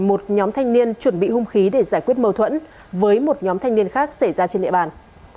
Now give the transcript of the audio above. một nhóm thanh niên chuẩn bị hung khí để giải quyết mâu thuẫn với một nhóm thanh niên khác xảy ra trên địa bàn